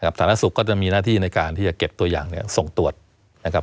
สาธารณสุขก็จะมีหน้าที่ในการที่จะเก็บตัวอย่างส่งตรวจนะครับ